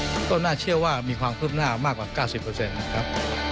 อันนี้ก็น่าเชื่อว่ามีความคุ้มหน้ามากกว่า๙๐เปอร์เซ็นต์ครับ